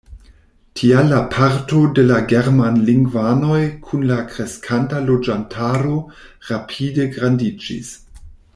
Tial la parto de la germanlingvanoj kun la kreskanta loĝantaro rapide grandiĝis.